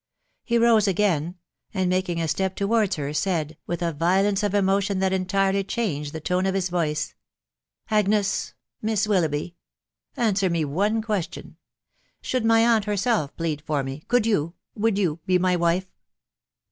He rose again, and making a step towards her, said, with a violence of emotion that entirely changed the tone of his voice, —" Agnes !..•. Miss Willoughby !.... answer me one ques tion. ... Should my aunt herself plead for me .... could you, would you, be my wife